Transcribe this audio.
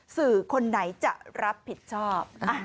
สื่อคนไหนจะรับผิดชอบ